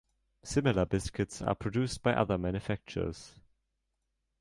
Similar biscuits are produced by other manufacturers.